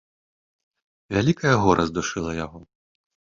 Вялікае гора здушыла яго.